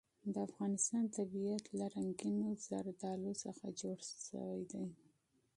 د افغانستان طبیعت له رنګینو زردالو څخه جوړ شوی دی.